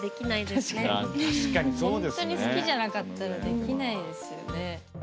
ほんとに好きじゃなかったらできないですよね。